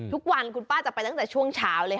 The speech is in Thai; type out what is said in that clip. ทุกวันคุณป้าจะไปตั้งแต่ช่วงเช้าเลยค่ะ